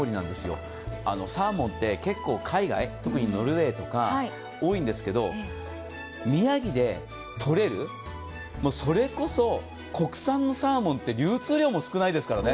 サーモンって結構海外、特にノルウェーとか多いんですけど宮城でとれる、それこそ国産のサーモンは流通量も少ないですからね。